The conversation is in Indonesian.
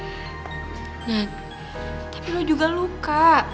nah tapi lo juga luka